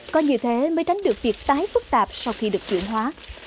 có như thế mới tránh được việc tái phức tạp sau khi được chuyển hóa